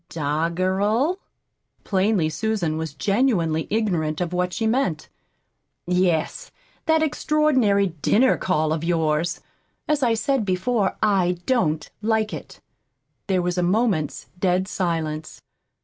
"Doggerel?" Plainly Susan was genuinely ignorant of what she meant. "Yes, that extraordinary dinner call of yours. As I said before, I don't like it." There was a moment's dead silence.